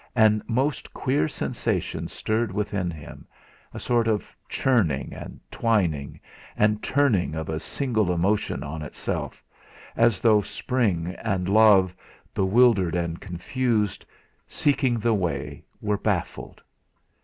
And most queer sensations stirred within him, a sort of churning, and twining, and turning of a single emotion on itself, as though spring and love, bewildered and confused, seeking the way, were baffled.